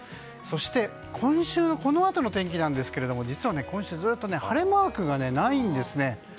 そして今週のこのあとの天気なんですが実は今週ずっと晴れマークがないんですね。